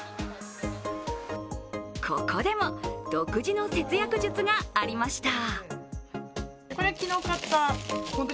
ここでも独自の節約術がありました。